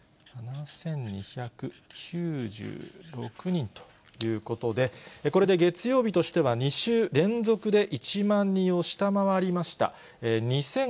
７２９６人ということで、これで月曜日としては２週連続で１万人を下回りました。